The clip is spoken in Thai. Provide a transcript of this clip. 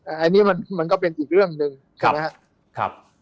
อันนี้มันก็เป็นอีกเรื่องหนึ่งใช่ไหมครับ